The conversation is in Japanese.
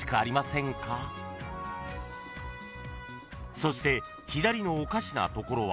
［そして左のおかしなところは］